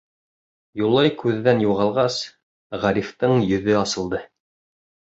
Юлай күҙҙән юғалғас, Ғарифтың йөҙө асылды.